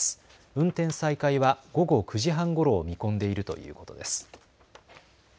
運転再開は午後９時半ごろを見込んでいるということです。